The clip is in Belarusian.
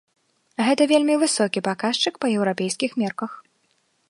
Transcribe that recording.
Гэта вельмі высокі паказчык па еўрапейскіх мерках.